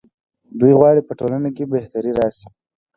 دوی غواړي په ټولنه کې بهتري راشي.